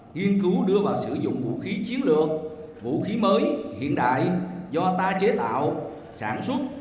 nghiên cứu đưa vào sử dụng vũ khí chiến lược vũ khí mới hiện đại do ta chế tạo sản xuất